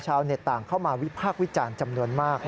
ต่างเข้ามาวิพากษ์วิจารณ์จำนวนมาก